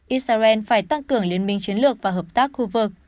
israel phải tăng cường liên minh chiến lược và hợp tác khu vực